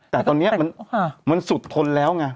แต่ตอนนี้มันสุดทนแล้วไง